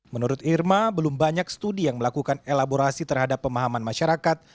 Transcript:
menurut irma belum banyak studi yang melakukan elaborasi terhadap pemahaman masyarakat